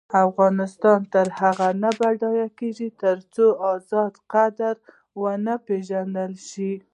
افغانستان تر هغو نه ابادیږي، ترڅو د ازادۍ قدر ونه پیژندل شي.